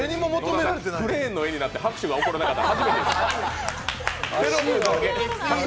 クレーンの画になって拍手が起こらなかった。